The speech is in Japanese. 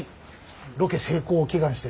ロケ成功を祈願して。